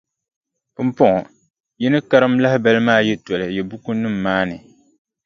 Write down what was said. Pumpɔŋɔ, yi ni karim lahibali maa yi toli yi bukunima maa ni.